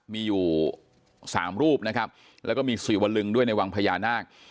มีอยู่๓รูปนะครับแล้วก็มีศิวลึงด้วยในวังพญานาค